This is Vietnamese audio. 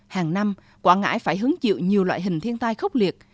hàng năm quảng ngãi phải hứng chịu nhiều loại hình thiên tai khốc liệt